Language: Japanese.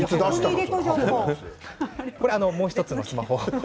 これはもう１つのスマホ。